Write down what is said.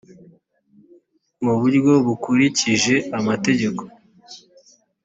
mu buryo bukurikije amategeko